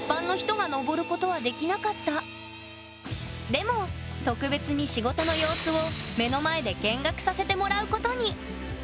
さすがにでも特別に仕事の様子を目の前で見学させてもらうことに！